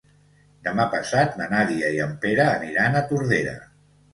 Demà passat na Nàdia i en Pere aniran a Tordera.